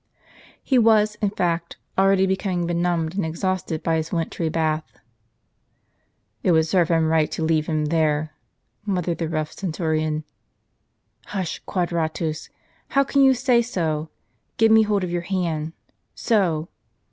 He was, in fact, already becoming benumbed and exhausted by his wintry bath. " It w^ould serve him right to leave him there," muttered the rough centurion. "Hush, Quadratus! how can you say so? give me hold of your hand. So